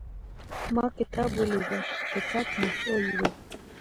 ما کتاب ولېږه – "کتاب" مفعول دی.